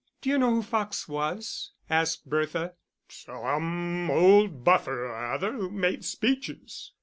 "D'you know who Fox was?" asked Bertha. "Some old buffer or other who made speeches."